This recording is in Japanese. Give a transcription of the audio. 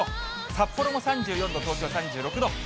札幌も３４度、東京３６度。